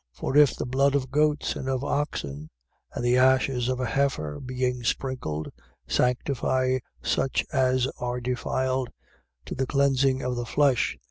For if the blood of goats and of oxen, and the ashes of an heifer, being sprinkled, sanctify such as are defiled, to the cleansing of the flesh: 9:14.